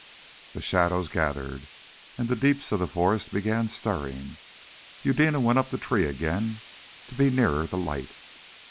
The shadows gathered, and the deeps of the forest began stirring. Eudena went up the tree again to be nearer the light.